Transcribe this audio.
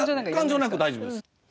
感情なくて大丈夫です。